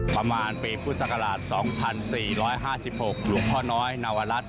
ประมาณปีพุทธศักราช๒๔๕๖หลวงพ่อน้อยนวรัฐ